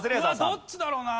どっちだろうな？